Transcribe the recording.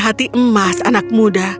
hati emas anak muda